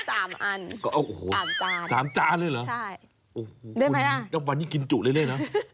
๓จานเลยเหรอใช่ได้ไหมล่ะโอ้โหวันนี้กินจุดเรื่อยนะ